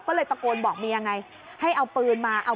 ก็เลยตะโกนบอกเมียไงให้เอาปืนมาเอา